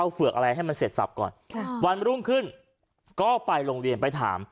เฝือกอะไรให้มันเสร็จสับก่อนค่ะวันรุ่งขึ้นก็ไปโรงเรียนไปถาม